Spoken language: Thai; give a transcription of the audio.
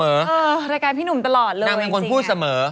รายการพี่หนุ่มตลอดเลยนางเป็นคนพูดเสมอ